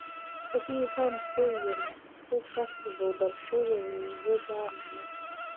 په دې هم پوه یم چې ته سخت ژوبل شوی یې، زه دا منم.